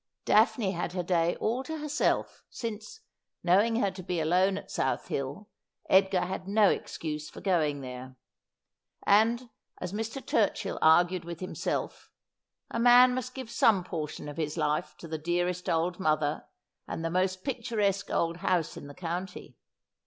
Daphne had her day all to herself, since, knowing her to be alone at South Hill, Edgar had no excuse for going there ; and, as Mr. Turchill argued with himself, a man must give some portion of his life to the dearest old mother and the most pic turesque old house in the county.